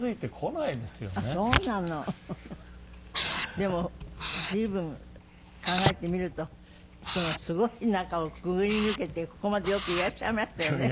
でも随分考えてみるとすごい中をくぐり抜けてここまでよくいらっしゃいましたよね。